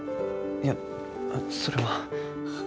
いやそれは。